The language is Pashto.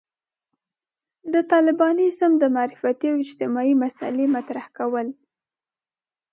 د طالبانيزم د معرفتي او اجتماعي مسألې مطرح کول.